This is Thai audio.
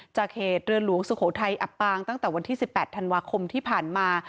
จากเหตุเรือหลวงสุโขทัยอับปางตั้งแต่วันที่๑๘ธันวาคมที่ผ่านมา